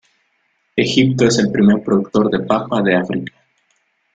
Egipto es el primer productor de papa de África.